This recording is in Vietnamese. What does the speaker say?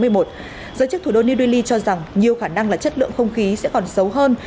giới chức thủ đô new delhi cho rằng nhiều khả năng là chất lượng không khí sẽ còn xấu hơn